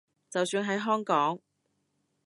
就算係香港